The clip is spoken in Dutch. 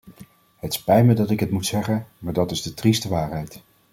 Het spijt me dat ik het moet zeggen, maar dat is de trieste waarheid.